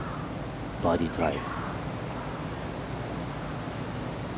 バーディートライ。